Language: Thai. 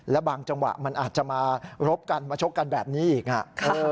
และบางจังหวะมันอาจจะมารบกันมาชกกันแบบนี้อีก